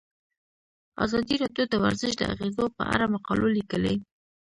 ازادي راډیو د ورزش د اغیزو په اړه مقالو لیکلي.